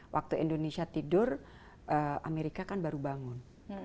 waktu indonesia tidur amerika kan baru bangun